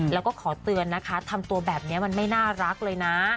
แล้วก็ขอเตือนนะคะทำตัวแบบนี้มันไม่น่ารักเลยนะ